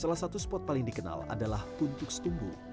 salah satu spot paling dikenal adalah puntuk setumbu